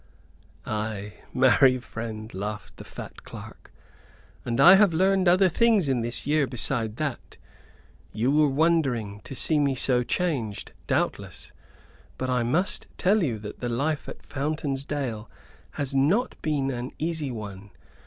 "Ay, marry, friend," laughed the fat clerk, "and I have learned other things in this year beside that. You are wondering to see me so changed, doubtless, but I must tell you that the life at Fountain's Dale has not been an easy one.